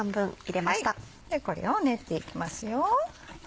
これを練っていきますよ。